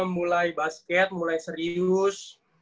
mulai basket mulai serius